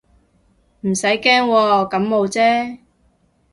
唔使驚喎，感冒啫